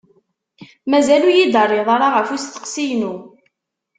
Mazal ur iyi-d-terriḍ ɣef usteqsi-inu.